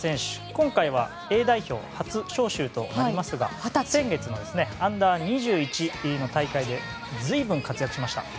今回はＡ代表発招集となりますが先月のアンダー２１の大会で随分活躍しました。